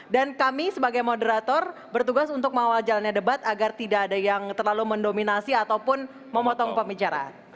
dan kami sebagai moderator bertugas untuk mengawal jalannya debat agar tidak ada yang terlalu mendominasi ataupun memotong pembicaraan